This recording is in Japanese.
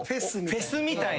フェスみたいな。